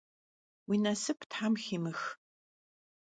Vui nasıp them ximıx!